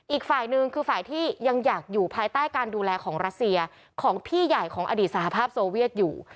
อีกฝ่ายหนึ่งคือฝ่ายที่ยังอยากอยู่ภายใต้การดูแลของรัสเซียของพี่ใหญ่ของอดีตสหภาพโซเวียตอยู่